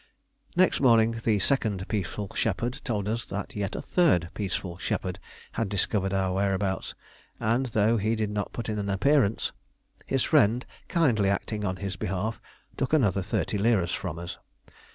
Next morning the second peaceful shepherd told us that yet a third peaceful shepherd had discovered our whereabouts, and though he did not put in an appearance, his friend, kindly acting on his behalf, took another thirty liras from us.